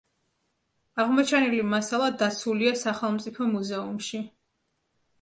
აღმოჩენილი მასალა დაცულია სახელმწიფო მუზეუმში.